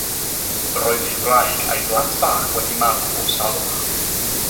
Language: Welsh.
Roedd ei wraig a'i blant bach wedi marw o salwch.